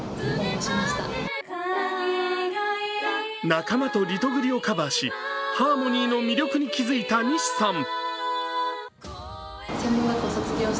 仲間とリトグリをカバーしハーモニーの魅力に気付いた西さん。